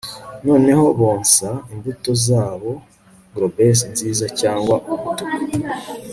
Noneho bonsa imbuto zabo globes nziza cyangwa umutuku